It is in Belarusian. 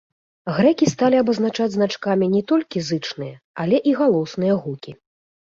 Грэкі сталі абазначаць значкамі не толькі зычныя, але і галосныя гукі.